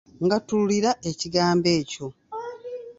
Ngattululira ekigambo ekyo.